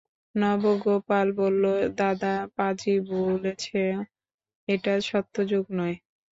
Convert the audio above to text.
নবগোপাল বললে, দাদা পাঁজি ভুলেছ, এটা সত্যযুগ নয়।